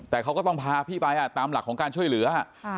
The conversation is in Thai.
แต่เขาก็ต้องพาพี่ไปตามหลักของการช่วยเหลือ